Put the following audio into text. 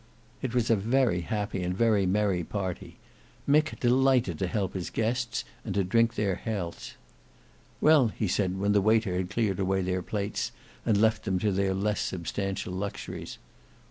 It was a very happy and very merry party. Mick delighted to help his guests, and to drink their healths. "Well," said he when the waiter had cleared away their plates, and left them to their less substantial luxuries.